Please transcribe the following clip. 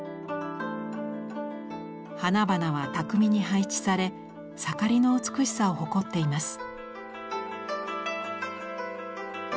花々は巧みに配置され盛りの美しさを誇っています。